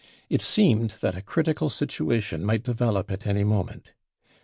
It # seemed that a critical situation might develop at any moment.